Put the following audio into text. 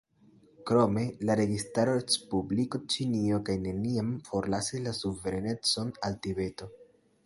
Krome, la registaro Respubliko Ĉinio kaj neniam forlasis la suverenecon al Tibeto.